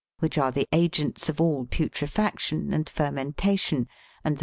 8), which are the agents of all putrefaction and fer \ l '*/^/ mentation, and the ,'' V